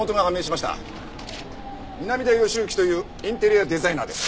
南田義之というインテリアデザイナーです。